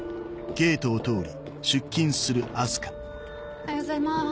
おはようございます。